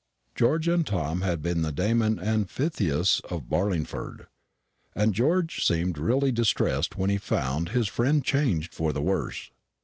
George and Tom had been the Damon and Pythias of Barlingford; and George seemed really distressed when he found his friend changed for the worse.